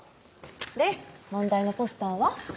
で問題のポスターは？